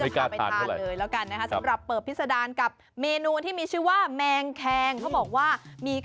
ไม่กล้าอากาศด้วยแล้วกันนะครับเปิบพิษดารกับเมนูที่มีชื่อว่าแมงแขม